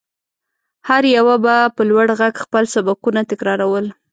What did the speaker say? هر يوه به په لوړ غږ خپل سبقونه تکرارول.